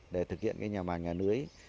để thực hiện nhà màng nhà lưới